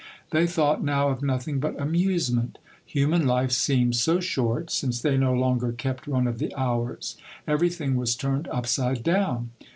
They thought now of nothing but amusement. Human hfe seemed so short, since they no longer kept run of the hours. Everything was turned upside down.